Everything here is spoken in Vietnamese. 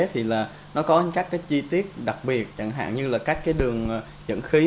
thì nó có các chi tiết đặc biệt chẳng hạn như là các đường dẫn khí